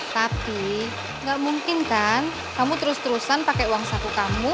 tapi nggak mungkin kan kamu terus terusan pakai uang saku kamu